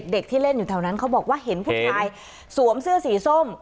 ที่เล่นอยู่แถวนั้นเขาบอกว่าเห็นผู้ชายสวมเสื้อสีส้ม